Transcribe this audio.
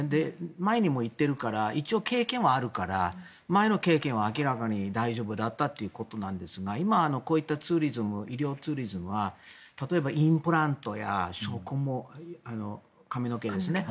前にも行っているから一応、経験はあるから前の経験は明らかに大丈夫だったということなんですが今、こういった医療ツーリズムは例えば、インプラントや植毛、髪の毛ですね。